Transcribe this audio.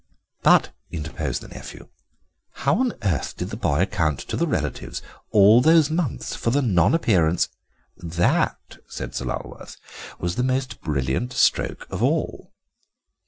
"But," interposed the nephew, "how on earth did the boy account to the relatives all those months for the non appearance—" "That," said Sir Lulworth, "was the most brilliant stroke of all.